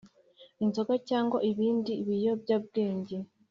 inzoga cyangwa ibindi biyobyabwenge